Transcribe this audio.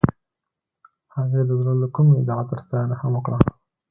هغې د زړه له کومې د عطر ستاینه هم وکړه.